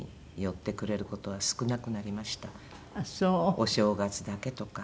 お正月だけとか。